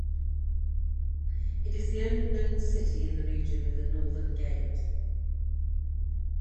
It is the only known city in the region with a northern gate.